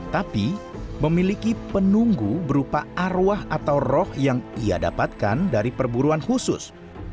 tapi memiliki penunggu berupa arwah atau roh yang ia dapatkan dari perburuan khusus